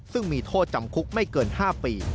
ซึ่งมีโทษจำคุกไม่เกิน๕ปี